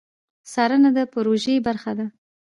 څارنه د پروژې برخه ده